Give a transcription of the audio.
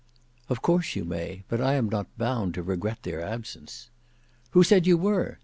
"Of course you may; but I am not bound to regret their absence." "Who said you were?